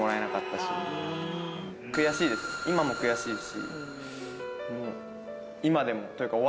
今も悔しいし。